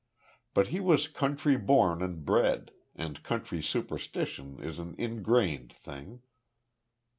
But he was country born and bred, and country superstition is an ingrained thing.